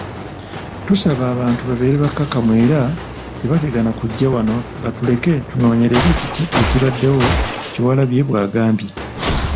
“Tusaba abantu babeere bakkakkamu era tebategana kujja wano batuleke tunoonyereze kiki ekibaddewo,” Kyewalabye bw'agambye.